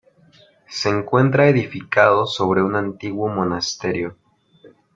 Se encuentra edificado sobre un antiguo monasterio.